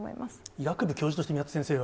医学部教授として、宮田先生